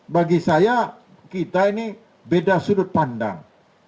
bagi saya kita ini beda sudut pandang